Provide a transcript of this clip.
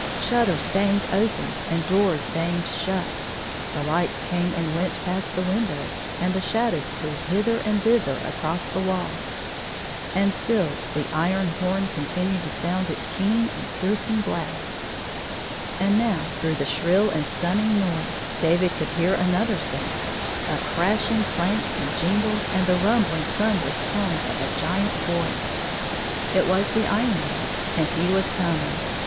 Shutters hanged open and doors hanged shut. The lights came and went past the windows, and the shadows flew hither and thither across the walls. And still the iron horn continued to sound its keen and piercing hlast. And now, through the shrill and stunning noise, David could hear another sound — a crashing clank and jingle and the rumhling thunderous tones of a giant voice. It was the Iron Marij and he was coming.